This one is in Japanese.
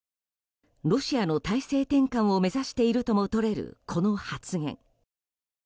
ロシアの体制転換を目指しているともとれるこの発言。